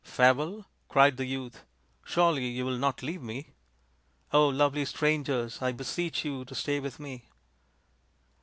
" Farewell ?" cried the youth, " surely you will not leave me. lovely strangers, I beseech you to stay with me."